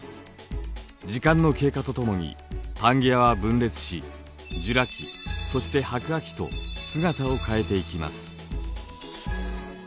時間の経過とともにパンゲアは分裂しジュラ紀そして白亜紀と姿を変えていきます。